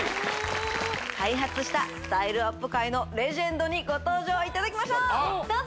開発したスタイルアップ界のレジェンドにご登場いただきましょうどうぞ！